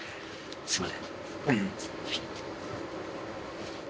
すいません。